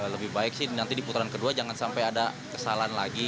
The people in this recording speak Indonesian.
lebih baik sih nanti di putaran kedua jangan sampai ada kesalahan lagi